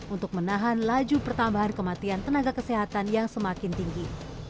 untuk menahan laju pertambahan kematian tenaga kesehatan yang semakin tinggi